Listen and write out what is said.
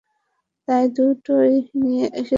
তাই দুটোই নিয়ে এসেছি।